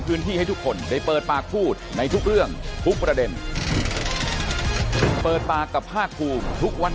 ให้ทุกคนได้เปิดปากพูดในทุกเรื่องทุกประเด็นเปิดปากกับภาคภูมิทุกวัน